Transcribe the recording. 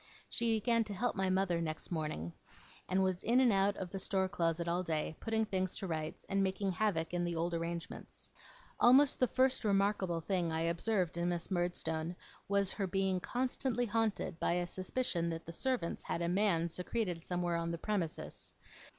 She began to 'help' my mother next morning, and was in and out of the store closet all day, putting things to rights, and making havoc in the old arrangements. Almost the first remarkable thing I observed in Miss Murdstone was, her being constantly haunted by a suspicion that the servants had a man secreted somewhere on the premises.